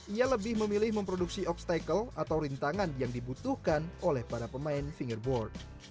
ia lebih memilih memproduksi obstacle atau rintangan yang dibutuhkan oleh para pemain fingerboard